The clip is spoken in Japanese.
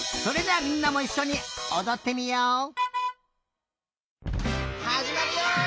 それじゃあみんなもいっしょにおどってみよう！